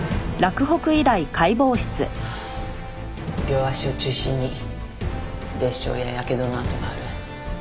両足を中心に裂傷ややけどの痕がある。